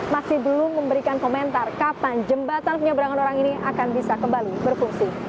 masih belum memberikan komentar kapan jembatan penyeberangan orang ini akan bisa kembali berfungsi